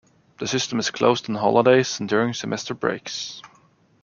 The system is closed on holidays and during semester breaks.